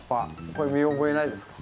これ見覚えないですか？